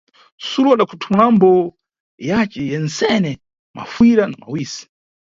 Sulo adakhuthumulambo yace yensene, mafuyira na mawisi.